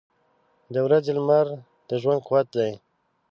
• د ورځې لمر د ژوند قوت دی.